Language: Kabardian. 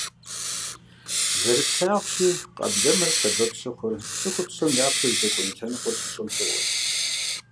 Зэрыплъагъущи, къэблэмэр сэбэп щыхъур цӀыхур псом япэу здэкӀуэну лъэныкъуэр щищӀэм щыгъуэщ.